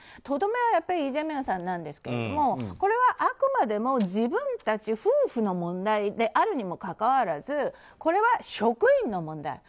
とどめはイ・ジェミョンさんなんですがこれはあくまでも自分たち夫婦の問題であるにもかかわらずこれは職員の問題。